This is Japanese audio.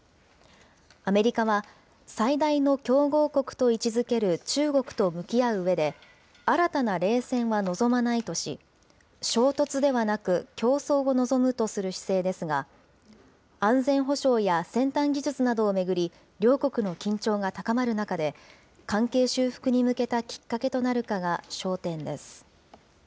アメリカは最大の競合国と位置づける中国と向き合ううえで、新たな冷戦は望まないとし、衝突ではなく、競争を望むとする姿勢ですが、安全保障や先端技術などを巡り、両国の緊張が高まる中で、関係修復に向けたきっかけとなるかが焦点です。